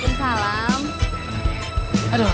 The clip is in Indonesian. aduh berat sebenernya ninggalin ya